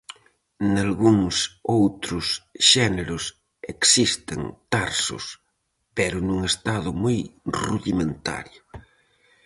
Nalgúns outros xéneros existen tarsos pero nun estado moi rudimentario.